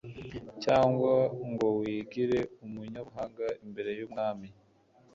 cyangwa ngo wigire umunyabuhanga imbere y'umwami